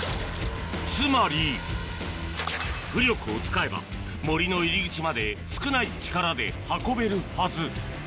つまり浮力を使えば森の入り口まで少ない力で運べるはず